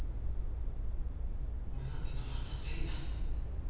俺なんてどうなったっていいんだ。